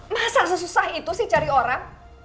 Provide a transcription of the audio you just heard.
masa sesusah itu sih cari orang